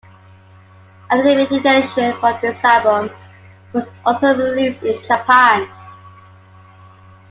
A limited edition of this album was also released in Japan.